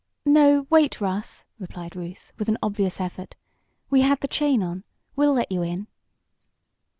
"No, wait Russ!" replied Ruth, with an obvious effort. "We had the chain on. We'll let you in!"